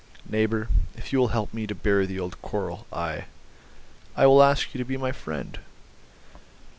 Neighbour, if you will help me to bury the old quarrel I—I will ask you to be my friend."